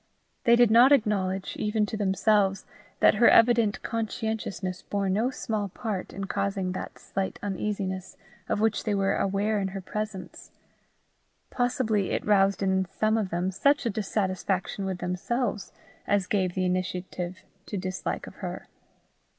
They did not acknowledge, even to themselves, that her evident conscientiousness bore no small part in causing that slight uneasiness of which they were aware in her presence. Possibly it roused in some of them such a dissatisfaction with themselves as gave the initiative to dislike of her.